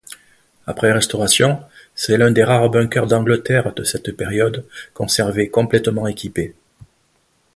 Après restauration, c'est l'un des rares bunkers d’Angleterre de cette période conservé complètement équipé.